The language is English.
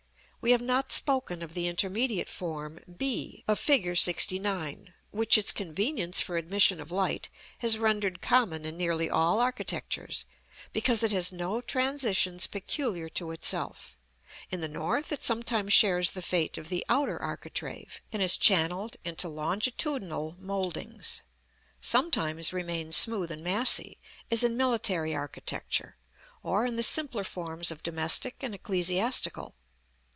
We have not spoken of the intermediate form, b, of Fig. LXIX. (which its convenience for admission of light has rendered common in nearly all architectures), because it has no transitions peculiar to itself: in the north it sometimes shares the fate of the outer architrave, and is channelled into longitudinal mouldings; sometimes remains smooth and massy, as in military architecture, or in the simpler forms of domestic and ecclesiastical.